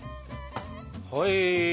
はい。